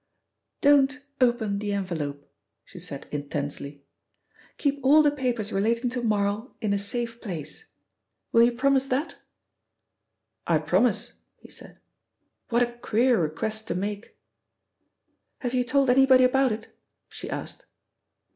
"Don't open the envelope," she said intensely. "Keep all the papers relating to Marl in a safe place. Will you promise that?" "I promise," he said. "What a queer request to make!" "Have you told anybody about it?" she asked.